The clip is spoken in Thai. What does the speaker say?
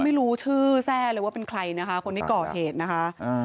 ไม่รู้ชื่อแทร่เลยว่าเป็นใครนะคะคนที่ก่อเหตุนะคะ